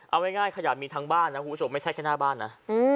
เอาง่ายขยะมีทั้งบ้านนะคุณผู้ชมไม่ใช่แค่หน้าบ้านนะ